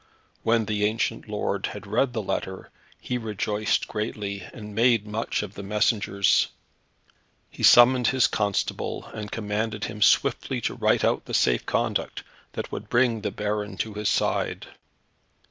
When the ancient lord had read the letter, he rejoiced greatly, and made much of the messengers. He summoned his constable, and commanded him swiftly to write out the safe conduct, that would bring the baron to his side.